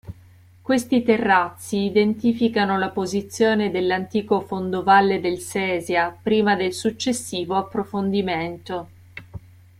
Questi terrazzi identificano la posizione dell'antico fondovalle del Sesia, prima del successivo approfondimento.